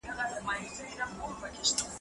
دوی بايد په ورانه لار لاړ نه سي.